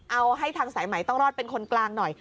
เอาให้ทางสายใหม่ต้องรอดเป็นคนกลางหน่อย